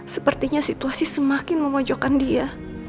sepertinya situasi semakin memojokkan dia